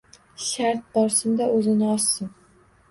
Shart borsin-da, oʻzini ossin